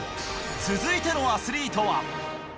続いてのアスリートは。